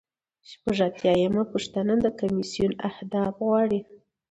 شپږ اتیا یمه پوښتنه د کمیسیون اهداف غواړي.